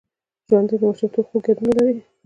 ژوندي د ماشومتوب خوږ یادونه لري